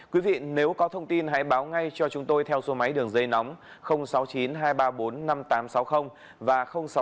quý vị nếu có thông tin hãy báo ngay cho chúng tôi theo số máy đường dây nóng sáu mươi chín hai trăm ba mươi bốn năm nghìn tám trăm sáu mươi và sáu mươi chín hai trăm ba mươi một một nghìn sáu trăm bảy